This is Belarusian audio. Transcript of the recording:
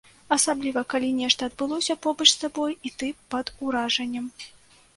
Асабліва калі нешта адбылося побач з табой, і ты пад уражаннем.